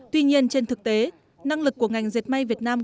tuy nhiên trên thực tế năng lực của ngành dệt may việt nam